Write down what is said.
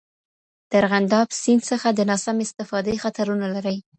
د ارغنداب سیند څخه د ناسمې استفادې خطرونه لري.